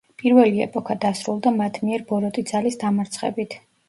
პირველი ეპოქა დასრულდა მათ მიერ ბოროტი ძალის დამარცხებით.